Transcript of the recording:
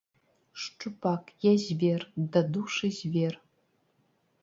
Шчупак, я звер, дадушы звер.